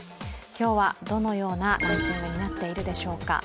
今日はどのようなランキングになっているでしょうか。